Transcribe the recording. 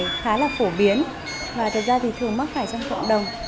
virus này khá là phổ biến và thường mắc phải trong cộng đồng